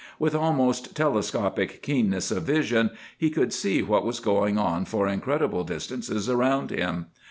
With almost telescopic keenness of vision, he could see what was going on for incredible distances around him.